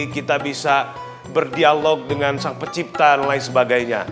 kita bisa berdialog dengan sang pencipta dan lain sebagainya